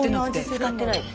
使ってないです。